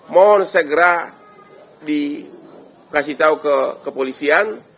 mohon segera dikasih tahu ke kepolisian